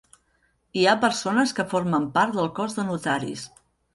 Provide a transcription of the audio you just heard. Hi ha persones que formen part del cos de notaris.